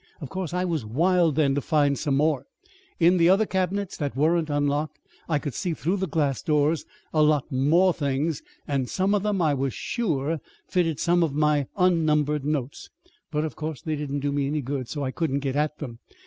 Of course I was wild then to find some more. In the other cabinets that weren't unlocked, I could see, through the glass doors, a lot more things, and some of them, I was sure, fitted some of my unnumbered notes; but of course they didn't do me any good, as I couldn't get at them.